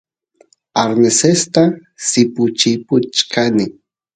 arnesesta sipuchichkani